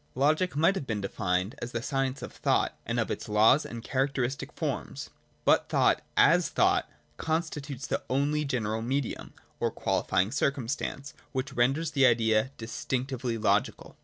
Logic might have been defined as the science of thought, and of its laws and characteristic forms. But thought, as thought, constitutes only the general medium, or qualifying circumstance, which renders the Idea dis tinctively logical.